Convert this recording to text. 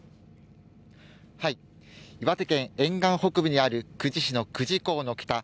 岩手県沿岸北部にある久慈市の久慈港北